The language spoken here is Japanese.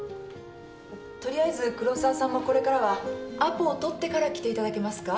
とりあえず黒澤さんもこれからはアポを取ってから来ていただけますか？